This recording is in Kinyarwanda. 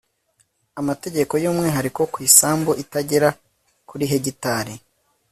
amategeko y'umwihariko ku isambu itagera kuri hegitari